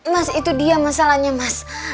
mas itu dia masalahnya mas